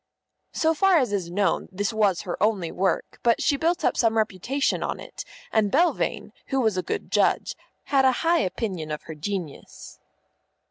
_ So far as is known, this was her only work, but she built up some reputation on it, and Belvane, who was a good judge, had a high opinion of her genius.